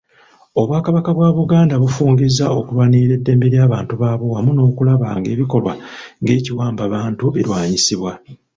Obwakabaka bwa Buganda bufungizza okulwanirira eddembe ly'abantu baabwo wamu n'okulaba ng'ebikolwa ng'ekiwambabantu birwanyisibwa.